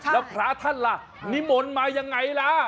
แล้วพระท่านล่ะนิมนต์มายังไงล่ะ